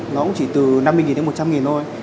nó cũng chỉ từ năm mươi đồng đến một trăm linh đồng thôi